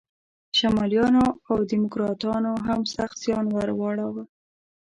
شمالیانو او دیموکراتانو هم سخت زیان ور واړاوه.